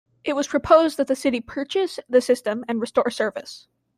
It was proposed that the city purchase the system and restore service.